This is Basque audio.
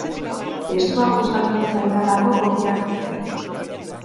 Testua gustatu zaidalako kopiatu dut.